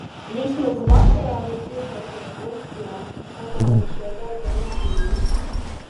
Vismaz vakarā var pieslēgties lekcijām, kas pamaina šo darba rutīnu.